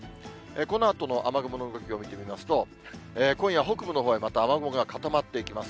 このあとの雨雲の動きを見てみますと、今夜、北部のほうへまた雨雲が固まっていきます。